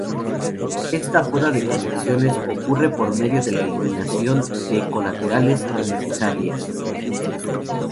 Esta poda de conexiones ocurre por medio de la eliminación de colaterales innecesarias.